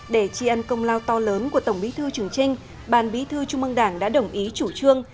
để tri ân công lao to lớn của tổng bí thư trường trinh bàn bí thư trung mương đảng đã đồng ý chủ trương